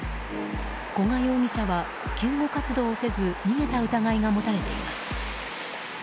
古賀容疑者は救護活動をせず逃げた疑いが持たれています。